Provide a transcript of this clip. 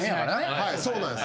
はいそうなんです。